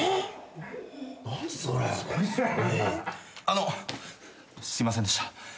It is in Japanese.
あのすいませんでした。